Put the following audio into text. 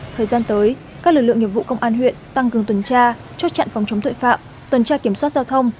thời gian tới các lực lượng nghiệp vụ công an huyện tăng cường tuần tra chốt chặn phòng chống tội phạm tuần tra kiểm soát giao thông